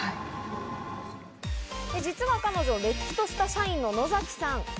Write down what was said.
実は彼女、れっきとした社員の野崎さん。